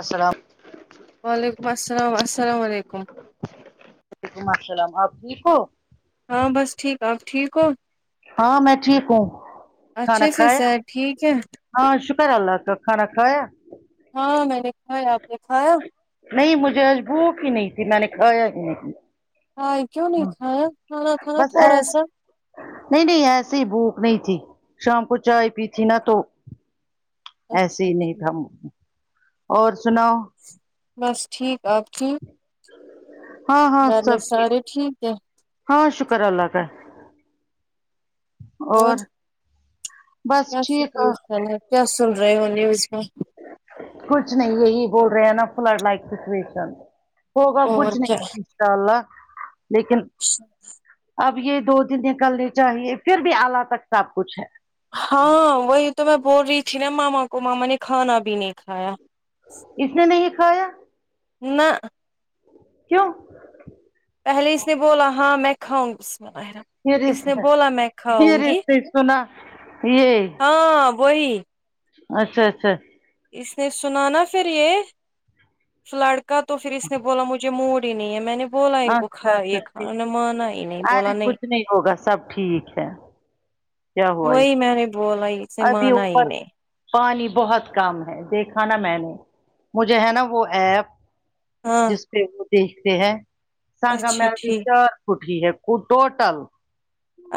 السلام وعلیکم السلام السلام علیکم وعلیکم السلام آپ ٹھیک ہو ہاں بس ٹھیک آپ ٹھیک ہو ہاں میں ٹھیک ہوں کھانا اچھے سے کھایا صحت ٹھیک ہے ہاں شکر اللہ کا کھانا کھایا ہاں میں نے کھا آپ نے کھایا نہیں مجھے آج بھوک ہی نہیں تھی میں نے کھایا ہی نہیں ہائے کیوں نہیں کھایا کھانا تھانہ بس تھوڑا ایس سا نہیں نہیں ایسے ہی بھوک نہیں تھی شام کو چائے پی تھی نہ تو ایسے اچھا ہی نہیں ٹھیک تھا اور سناؤ بس ٹھیک آپ ٹھیک ہاں ہاں گھر میں سب سارے ٹھیک ہیں ہاں شکر اللہ کا ہے اور بس کیا ٹھیک سچویشن ہے کیا سن رہے ہو نیوز میں کچھ نہیں یہی بول رہے ہیں نا فلڈ لائک سچویشن ہوگا کچھ اور کیا نہیں ان شاء اللہ لیکن اب یہ دو دن نکلنے چاہیے پھر بھی اللہ تک سب کچھ ہے ہاں وہی تو میں بول رہی تھی نا ماما کو ماما نے کھانا بھی نہیں کھایا اس نے نہیں کھایا نہ کیوں پہلے اس نے بولا ہ میں کھاؤں گی اس میںر یہ اس نے رشتے بولا میں یہ کھاؤں گی رشتے سنا یہ ہاں وہی اچھا اچھا اس نے سنا نا پھر یہ لڑکا تو پھر اس نے بولا مجھے ج موڑ ہی نہیں ہے میں نے بولا ان کو اچھا اچھا کھائی ٹھیک کھان مان آئی نہیں بولا ارے نہیں کچھ ہوگا سب ٹھیک ہے کیا ہوا وہی اس میں نے بولا ہی اسے ابھی مانا اوپر نہیں پانی بہت کم ہے دیکھا نا میں نے مجھے ہے نا وہ ایپ ہاں جس پہ وہ دیکھتے ہیں سانگا اچھا [unintelligible] ٹھیک کٹ ہی ہے ٹوٹل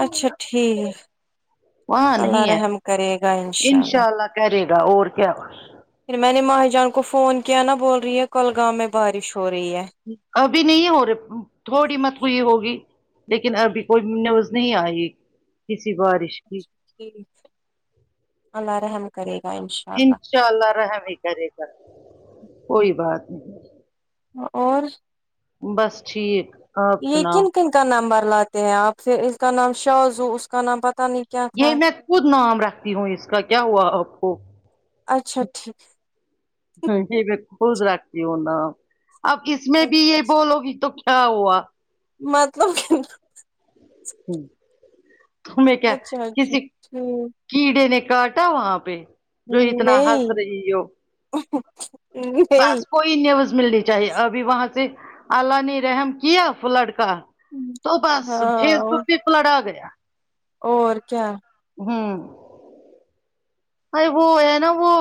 اچھا ٹھیک وہاں اللہ نہیں ہے رحم کرے گا انشاء اللہ کرے گا اور کیا پھر میں نے ماہ جان کو فون کیا نا بول رہی ہے کل گاؤں میں بارش ہو رہی ہے ابھی نہیں ہو رہے تھوڑی مت ہوئی ہوگی لیکن ابھی کوئی نیوز نہیں آئی کسی بارش کی ٹھیک اللہ رحم کرے گا ان شاء انشاء اللہ رحم ہی کرے گا کوئی بات نہیں اور بس ٹھیک آپ یہ سناؤ کن کن کا نمبر لاتے ہیں آپ پھر اس کا نام شازو اس کا نام پتہ نہیں کیا یہ تھا میں خود نام رکھتی ہوں اس کا کیا ہوا آپ کو اچھا ٹھیک یہ میں خود رکھتی ہوں نہ اب کس میں بھی یہ بولو گی تو کیا ہوا مطلب تمہیں کیا اچھا اچھا کسی ٹھیک کیڑے نے کاٹا وہاں پہ جو اتنا ہنس نہیں رہی ہو نہیں بس کوئی نیوز ملنی چاہیے ابھی وہاں سے اللہ نے رحم کیا فلڈ کا تو بس فیس ہاں بک پہ پلڑا گیا اور کیا ھمم ا ۓ وہ ہے نہ وہ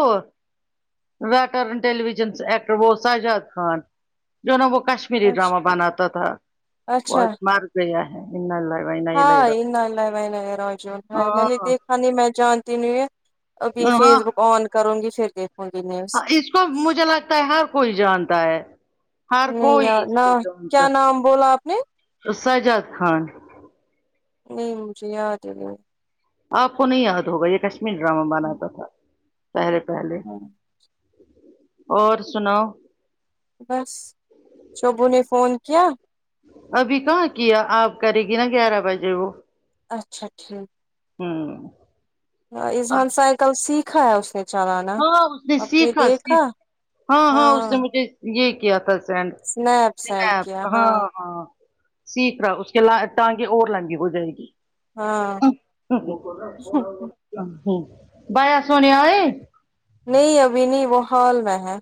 ویٹرن ٹیلی ویژن ایکٹر وہ ساجاد خان جو نا وہ کش میری اچھا ڈرامہ بناتا تھا وہ اچھا آج مر گیا ہے انا للہ وانا ہاں انا اللہ وانا علیہ راجعون بھائی میں نے راجعون دیکھ ہاں جی میں جانتی نہیں ہو ابھی ہاں فیس بک آن کروں گی پھر دیکھوں گی نیو ہاں اس کو مجھے لگتا ہے ہر کوئی جانتا ہے ہر نہیں کوئی یار اس نہ کوجانتا کیا نام بولا آپ نے سجاد خان نہیں مجھے یاد ہی نہیں آپ کو نہیں یاد ہوگا یہ کشمیر ڈرامہ بناتا تھا پہلے پہلے اور سناؤ بس شوبو نے فون کیا ابھی کہاں کیا اب کرے گی نا گیارہ بجے وہ اچھا ٹھیک ھمم ہاں اظہا ن سائیکل سیکھا ہے اس نے چلانا ہاں اس نے آپ سیکھا دیکھا سیکھ ہاں ہاں اس نے مجھے یہ کیا تھا اسنیپ سینڈ کیا [unintelligible] ہاں ہاں سیکھ رہا اس کے ٹانگیں اور لمبی ہو جائے گی ہاں بھیا سونے ائے نہیں ابھی نہیں وہ ہال میں ہے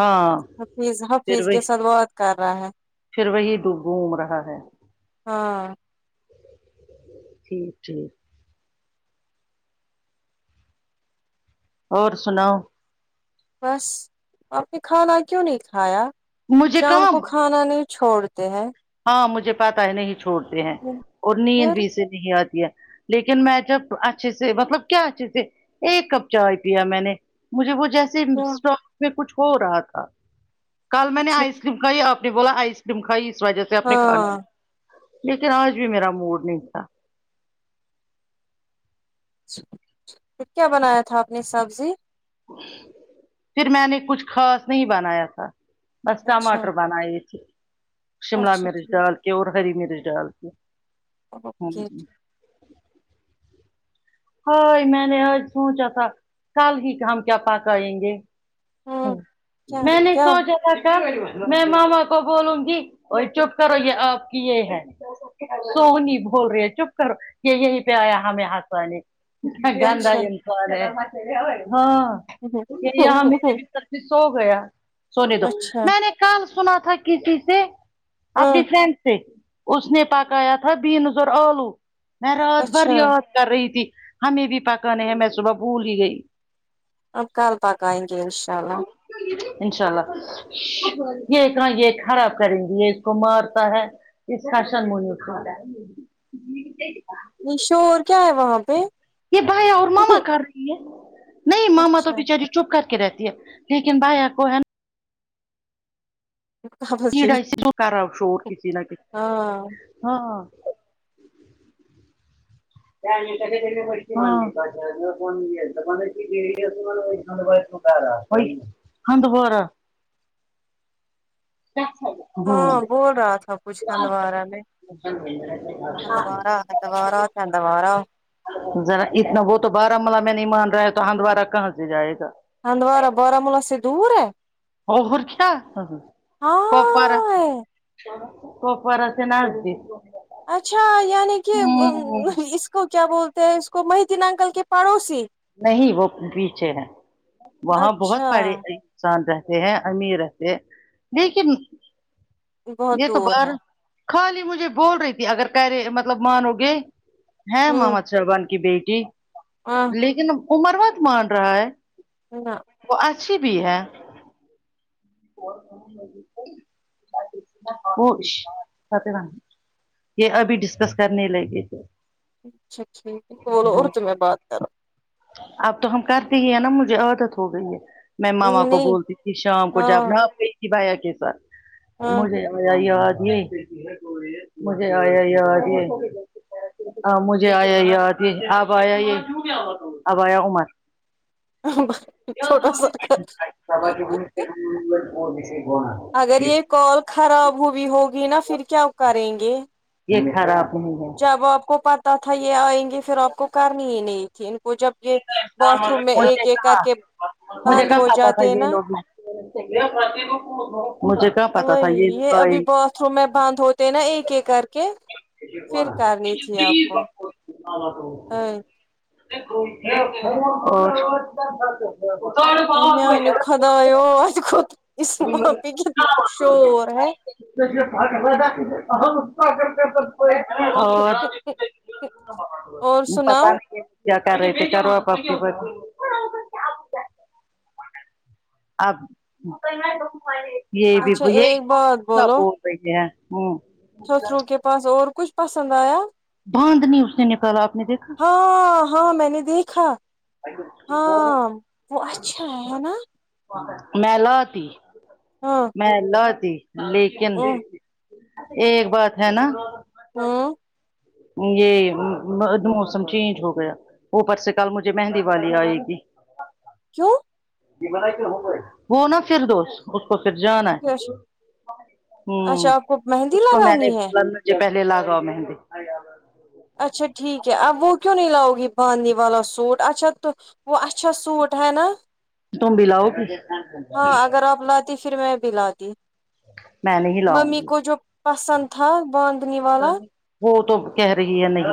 ہاں اپنی اس پھر حفیظ وہی کے ساتھ با ت کر رہا ہے پھر وہی گھوم رہا ہے ہاں ٹھیک ٹھیک اور سناؤ بس آپ نے کھانا کیوں نہیں کھایا مجھے شام کو کہاں کھا نے چھوڑتے ہیں ہاں مجھے پتہ ہے نہیں چھوڑتے ہیں اور نیند پھر بھی اسے نہیں آتی ہے لیکن میں جب اچھے سے مطلب کیا اچھے سے ایک کپ چائے پیا میں نے مجھے وہ جیسے اچھا اسٹاک میں کچھ ہو رہا تھا کل میں نے آئس کریم کھائی آپ نے بولا آئس کریم کھائی اس وجہ سے آپ نے کھانا ہاں نہیں لیکن آج بھی میرا موڈ نہیں تھا کیا بنایا تھا آپ نے سبزی پھر میں نے کچھ خاص نہیں بنایا تھا بس اچھا ٹماٹر بنائےتھے شملہ اچھا مرچ ٹھیک ڈال کے اور ہری مرچ ڈالکے [unintelligible] ہائی میں نے آج سوچا تھا کل ہی ہم کیا پکائیں گے ہاں کیا میں نے کیا سوچا میں ماما کو بولوں گی وہ چپ کرو یہ آپ کی یہ ہے سونی بول رہی ہے چپ کرو یہ یہیں پہ آیا ہمیں ہسانے گندا اچھا انسان ہیں ہاں پھر یہاں [unintelligible] سو گیا ہے سونےدو اچھا میں نے کب سنا تھا کسی سے اپنی ہ فرینڈ سے اس نے پکایا تھا بینس اور آلو میں رات بھر اچھا یاد کر رہی تھی ہمیں بھی پکا نہیں ہے میں صبح بھول ہی گئی اب کل پکائیں گے انشاء اللہ انشاء اللہ یہ کہاں یہ خراب کریں گی یہ اس کو مارتا ہے اس خاشن [unintelligible] یہ شور کیا ہے وہاں پہ یہ بھیا اور ماما کر رہی ہے نہیں ماما تو اچھا بچاری چپ کر کے رہتی ہے لیکن بھیا کو ہے نا کاغذ کی پڑ بھی سے تو کرا شور کسی نہ کسی ہاں ہاں [unintelligible] ہاں [unintelligible] [unintelligible] ہاں بول رہا تھا کچھ ہوارہ میں [inaudible] [unintelligible] ہدوار آ چندوار آ ذرا اتنا وہ تو بارامولہ میں نہیں مان رہا ہے تو ہندوارہ کہاں سے جائے گا ہندوارہ باراملہ سے دور ہے اور کیا کپارا ہاں کوپورا سے نزدیک اچھا یعنی کہ ا ہمم اس کو کیا بولتے ہیں اس کو مہتین انکل کے پڑوسی نہیں وہ پیچھے ہے وہاں بہت اچھا پڑے انسان رہتے ہیں امیر رہتے ہیں لیکن بہت یہ تو دور بار ہے خالی مجھے بول رہی تھی اگر کرے مطلب مانو گے ہاں ممد صربان کی بیٹی آ لیکن عمر مت مان رہا ہے ہے نا وہ اچھی بھی ہے بالکل وہ یہ ابھی ڈسکس کرنے لگے تھے اچھا ٹھیک کو بولو اردو میں بات کرو اب تو ہم کرتے ہی ہیں نا مجھے عادت ہو گئی ہے میں ماما کرو کو نہیں بولتی تھی شام کو ہاں جاپنا آ گئی تھی بھیا کے ساتھ ہاں مجھے آیا یاد نہیں ہے کسی کی مجھے آیا یاد ہی یہ کی ہ مجھے آیا یاد یہ اب آیا یہ اب آیا عمر ابا چھوٹا سا گھر [unintelligible] اگر یہ کال خراب ہوئی ہوگی نا پھر کیا کریں گے یہ خراب نہیں ہے جب آپ کو پتاہ تھا یہ آئیں گے پھر آپ کو کرنی ہی نہیں تھی ان کو جب یہ باتھ روم میں ایک مجھے ایک کر کہا کے مجھے بند کب ہو پتا تھا جاتے یہ نا لوگ میں مجھے کیا پتا تھا یہ یہئی ابھی باتھ روم میں بند ہوتے نا ایک ایک کر کے پھر کرنی [unintelligible] ہاں [unintelligible] [unintelligible] [unintelligible] [unintelligible] اور سناؤ [unintelligible] اب یہ بھی اچھا ایک بات یہ بول رہی ہے سسروں کے پاس اور کچھ پسند آیا باند نی اس نے نکالا آپ نے دیکھا ہاں ہاں میں نے دیکھا ہاں وہ اچھا ہے ہے نہ میں لاتی ہاں میں لاتی لیکن ہ ایک بات ہے نا ہوں یہ موسم چینج ہو گیا وہ پر سے کل مجھے مہندی والی آئے گی کیوں وہ نا فردوس اس کو پھر جانا ہے اچھا ہ اچھا آپ کو مہندی اس کو میں نے لگانی ہے جی پہلی لگاو مہندی اچھا ٹھیک ہے اب وہ کیوں نہیں لاؤ گی باندنی والا سوٹ اچھا تو وہ اچھا سوٹ ہے نا تم بھی لاؤ گی ہاں اگر آپ لاتی پھر میں بھی لاتی میں نہیں لاؤں ممی گی کو جو پسند تھا بان وہ تو کہہ رہی ہے نہیں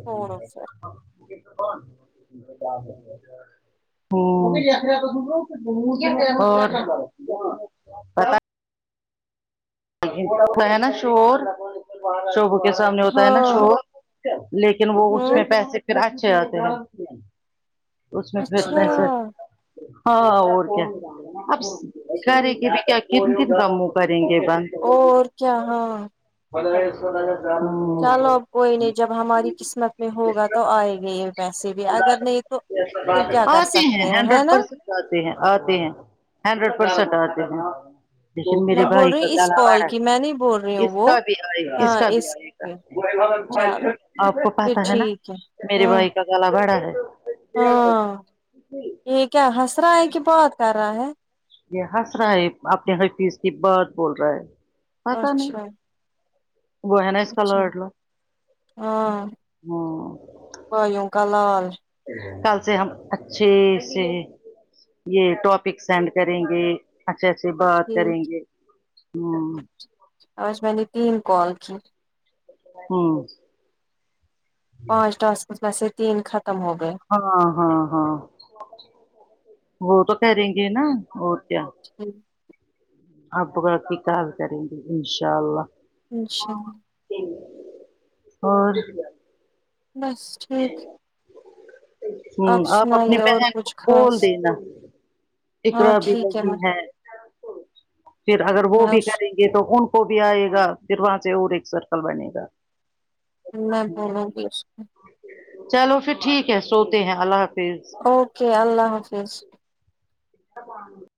چھوڑو پھر ہاں ہاں پتا ہے نا شور شوبو کے سامنے ہوتا نا شو ہاں لیکن وہ اس میں ہوں پیسے پھر اچھے آتے ہیں اس میں پھر اچھا پیسے ہاں اور کیا اب کہہ رہے ٹھیک کی ا بھی کیا کن کن کا موں کریں گے آپن اور کیا ہاں [unintelligible] چلو اب کوئی نہیں جب ہماری قسمت میں ہوگا تو آئے گے یہ پیسے بھی اگر نہیں تو پھر کیا کر آتے سکتے ہیں ہے ہنڈریڈ نا پرسینٹ آتے ہیں آتے ہیں ہنڈریڈ پرسینٹ آتے ہیں جیسے میں میرے بول بھائی رہی کا ہوں اس گلا کال بھرا کی میں نہیں بول رہی ہے ہوں وہ اس ہاں کا بھی آئے گا کی چلو آپ کو پھر پتہ ہے نا ٹھیک میرے ہاں بھائی ہاں [unintelligible] یہ کیا ہنس رہا ہے کہ بات کر رہا ہے یہ ہنس رہا ہے اپنے ہر چیز کی بات بول رہا ہے پتا نہیں اچھا وہ ہے نہ اس کا اچھا لاڈلہ ہاں ہاں بھائیوں کا لال کل سے ہم اچھے سے یہ ٹاپک سینڈ کریں گے اچھا اچھے بات کریں ٹھیک گے ھمم آج میں نے تین کال کی ہمم پانچ ٹاسک میں سے تین ختم ہو گئے ہاں ہاں ہاں وہ تو کریں گے نا اور کیا ٹھیک اب راکھی کال کریں گی انشاء اللہ انشاءاللہ اور بس ٹھیک ہوں آپ اپنی سنائیے اور بہن کو کچھ کھول خاص دینا اقر ہاں بھی ٹھیک لگی میں ہے پھر اگر وہ میں بھی کریں گے یہ تو ان کو بھی آئے گا پھر وہاں سے اور ایک سرکل بنے گا میں بولانگی اسکو چلو پھر ٹھیک ہے سوتے ہیں اللہ حافظ اوکے اللہ حافظ تو ہ [inaudible]